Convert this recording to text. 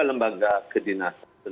ya lembaga lembaga kedinasan